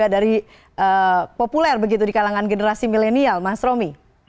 dari populer begitu di kalangan generasi milenial mas romi